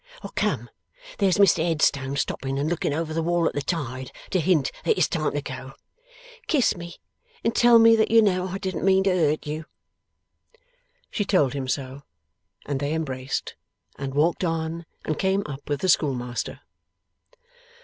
Come! There's Mr Headstone stopping and looking over the wall at the tide, to hint that it's time to go. Kiss me, and tell me that you know I didn't mean to hurt you.' She told him so, and they embraced, and walked on and came up with the schoolmaster.